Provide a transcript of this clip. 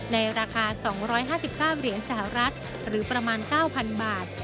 ในราคา๒๕๙เหรียญสหรัฐหรือประมาณ๙๐๐บาท